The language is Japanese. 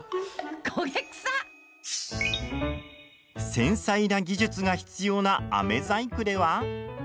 繊細な技術が必要なあめ細工では。